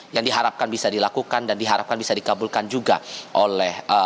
yang diharapkan bisa dilakukan dan diharapkan bisa dikabulkan juga oleh